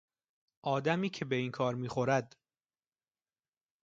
آدمی که به این کار میخورد